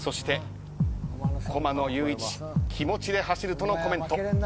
そして駒野友一気持ちで走るとのコメント。